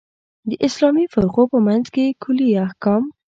د اسلامي فرقو په منځ کې کُلي احکام.